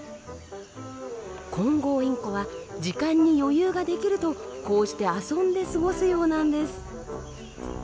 コンゴウインコは時間に余裕ができるとこうして遊んで過ごすようなんです。